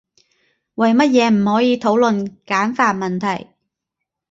為乜嘢唔可以討論簡繁問題？